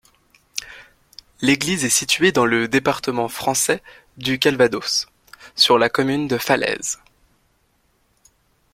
L'église est située dans le département français du Calvados, sur la commune de Falaise.